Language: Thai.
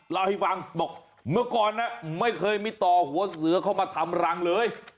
เล่าให้ฟังบอกเมื่อก่อนนะไม่เคยมีต่อหัวเสือเข้ามาทำรังเลย